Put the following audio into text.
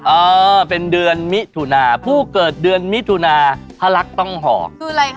เออเป็นเดือนมิถุนาผู้เกิดเดือนมิถุนาพระรักษ์ต้องหอก